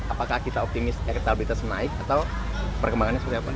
apakah kita optimis elektabilitas naik atau perkembangannya seperti apa